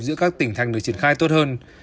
giữa các tỉnh thành được triển khai tốt hơn